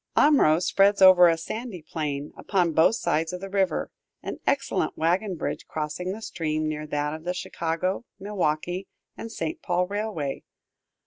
Omro spreads over a sandy plain, upon both sides of the river, an excellent wagon bridge crossing the stream near that of the Chicago, Milwaukee, and St. Paul railway.